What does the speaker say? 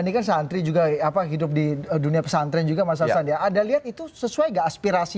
nih santri juga apa hidup di dunia pesantren juga masalahnya ada lihat itu sesuai dengan aspirasi